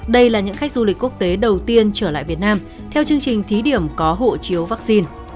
đây là những khách du lịch quốc tế đầu tiên trở lại việt nam theo chương trình thí điểm có hộ chiếu vaccine